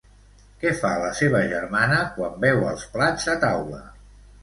Què fa la seva germana quan veu els plats a taula?